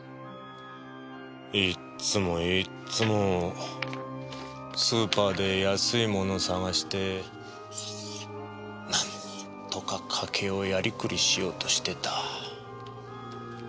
いっつもいっつもスーパーで安いもの探してなんとか家計をやりくりしようとしてた。